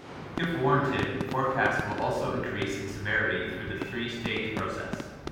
If warranted, forecasts will also increase in severity through this three-stage process.